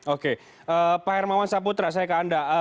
oke pak hermawan saputra saya ke anda